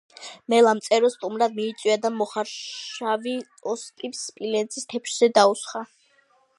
მელამ წერო სტუმრად მიიწვია და მოხარშავი ოსპი სპილენძის თეფშზე დაუსხა